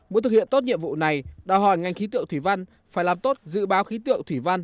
muốn thực hiện tốt nhiệm vụ này đòi hỏi ngành khí tượng thủy văn phải làm tốt dự báo khí tượng thủy văn